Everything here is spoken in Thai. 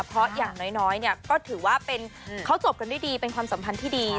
เพราะอย่างน้อยเนี่ยก็ถือว่าเขาจบกันด้วยดีเป็นความสัมพันธ์ที่ดี